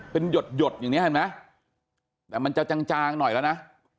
เป็นหยดอย่างนี้เห็นไหมแต่มันจะจางหน่อยแล้วนะ